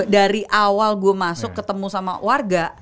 dari awal gue masuk ketemu sama warga